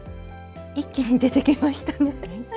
一気に出てきましたね。